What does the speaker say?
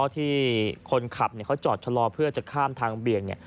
ที่คนขับเขาจอดชะลอเพื่อจะข้ามทางเบียง